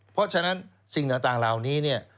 เพราะฉะนั้นสิ่งต่างเหล่านี้เนี่ย